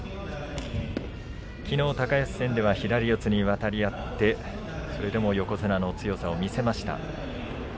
きのう高安戦では左四つに渡り合ってそれでも横綱の強さを見せました。